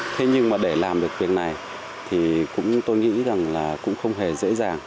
thế nhưng mà để làm được việc này thì tôi nghĩ rằng là cũng không hề dễ dàng